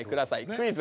『クイズ！